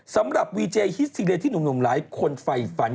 สำหรับวีเจฮิตซีเรนที่หนุ่มหลายคนไฟฝัน